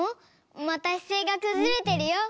またしせいがくずれてるよ。